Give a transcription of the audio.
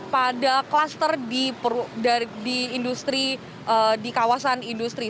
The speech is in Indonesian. pada kluster di industri di kawasan industri